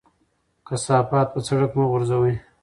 کثافات په سړک مه غورځوئ.